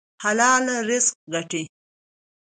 حلال رزق ګټئ